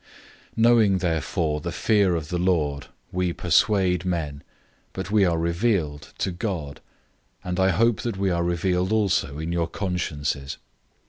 005:011 Knowing therefore the fear of the Lord, we persuade men, but we are revealed to God; and I hope that we are revealed also in your consciences.